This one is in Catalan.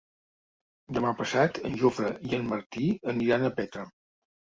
Demà passat en Jofre i en Martí aniran a Petra.